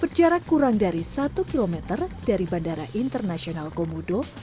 berjarak kurang dari satu km dari bandara internasional komodo